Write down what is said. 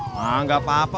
nah gak apa apa